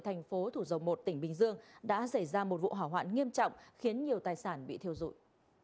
thành phố thủ dầu một tỉnh bình dương đã xảy ra một vụ hỏa hoạn nghiêm trọng khiến nhiều tài sản bị thiêu dụi